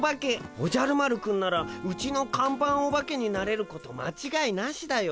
おじゃる丸くんならうちの看板オバケになれることまちがいなしだよ。